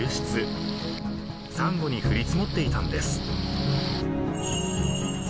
［サンゴに降り積もっていたんです］